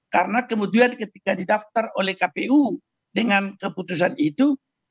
karena kemudian ketika didaftar oleh kpu dengan keputusan itu